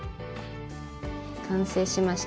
完成しました。